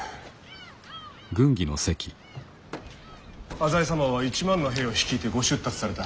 浅井様は１万の兵を率いてご出立された。